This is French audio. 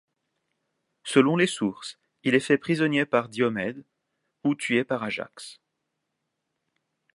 Selon les sources il est fait prisonnier par Diomède ou tué par Ajax.